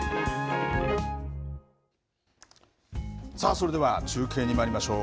それでは中継にまいりましょう。